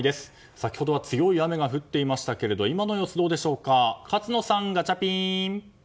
先ほどは強い雨が降っていましたけれど今の様子どうでしょうか勝野さん、ガチャピン。